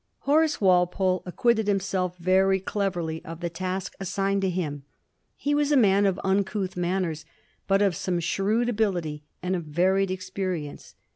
Horace Walpole acquitted himself very cleverly of the task assigned to him. He was a man of uncouth manners, but of some shrewd ability and of varied experience.